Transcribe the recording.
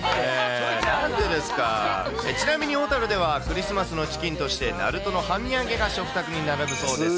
ちなみに小樽では、クリスマスのチキンとしてなるとの半身揚げが食卓に並ぶそうです。